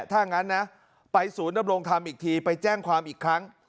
ถ้างั้นนะไปศูนย์ดำรงธรรมอีกทีไปแจ้งความอีกครั้ง